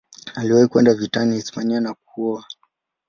Aliwahi kwenda vitani Hispania na kuoa.